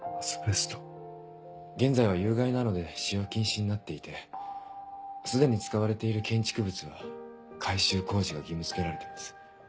現在は有害なので使用禁止になっていてすでに使われている建築物は改修工事が義務付けられています。